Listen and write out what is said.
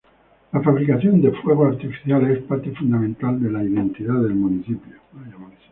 La fabricación de fuegos artificiales es parte fundamental de la identidad del municipio.